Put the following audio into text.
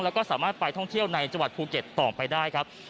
แล้วก็สามารถไปท่องเที่ยวในจังหวัดภูเก็ตต่อไปได้ครับ